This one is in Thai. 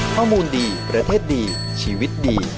ข้อมูลดีประเทศดีชีวิตดี